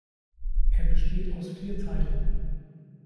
Er besteht aus vier Teilen.